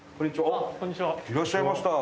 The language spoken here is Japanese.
あっいらっしゃいました。